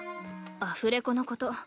アフレコのこと。